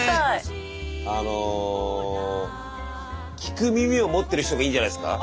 あの聞く耳を持ってる人がいいんじゃないんすか？